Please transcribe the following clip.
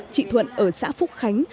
chị thuận ở xã phúc khánh